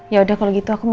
yaudah kalau gitu aku mau